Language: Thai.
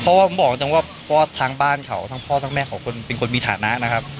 เพราะว่าผมบอกจังว่าเพราะว่าทางบ้านเขาทั้งพ่อทั้งแม่เขาเป็นคนมีฐานะนะครับ